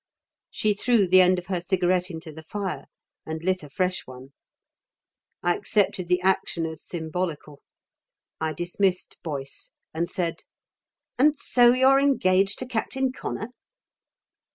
She threw the end of her cigarette into the fire and lit a fresh one. I accepted the action as symbolical. I dismissed Boyce, and said: "And so you're engaged to Captain Connor?"